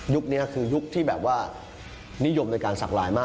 ยุคนี้คือยุคที่นิยมในการสักลายมาก